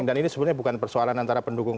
dan ini sebenarnya bukan persoalan antara pendukung